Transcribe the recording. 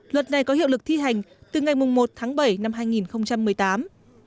luật này có hiệu lực thi hành từ ngày một tháng bảy năm hai nghìn một mươi tám